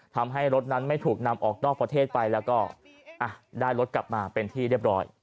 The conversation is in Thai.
ทำให้รถนั้นไม่ถูกนำออกนอกประเทศไปแล้วก็ได้รถกลับมาเป็นที่เรียบร้อย